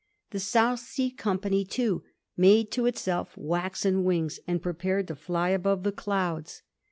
The South Sea Company, too, made to itself waxen wings, and prepared to fly above the clouds.